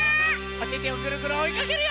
おててをぐるぐるおいかけるよ！